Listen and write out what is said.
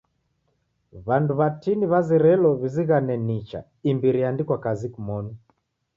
W'andu watini w'azerelo w'izighane nicha imbiri eandikwa kazi kimonu.